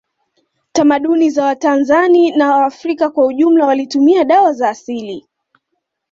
Tamaduni za watanzani na waafrika kwa ujumla walitumia dawa za asili